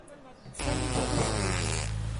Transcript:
fundo de custeio